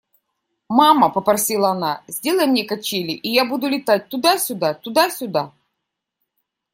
– Мама, – попросила она, – сделай мне качели, и я буду летать туда-сюда, туда-сюда.